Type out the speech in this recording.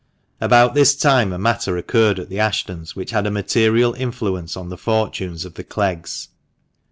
About this time a matter occurred at the Ashtons' which had a material influence on the fortunes of the Cleggs.